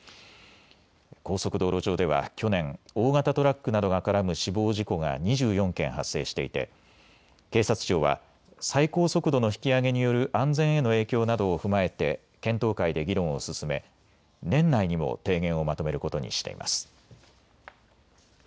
高速道路上では去年、大型トラックなどが絡む死亡事故が２４件発生していて警察庁は最高速度の引き上げによる安全への影響などを踏まえて検討会で議論を進め年内にも提言をまとめることにしています。